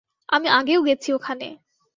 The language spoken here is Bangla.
আমি আগেও গেছি ওখানে।